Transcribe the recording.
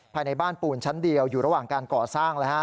ภายในบ้านปูนชั้นเดียวอยู่ระหว่างการก่อสร้าง